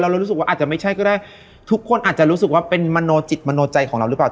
เรารู้สึกว่าอาจจะไม่ใช่ก็ได้ทุกคนอาจจะรู้สึกว่าเป็นมโนจิตมโนใจของเราหรือเปล่า